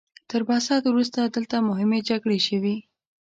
تر بعثت وروسته دلته مهمې جګړې شوي.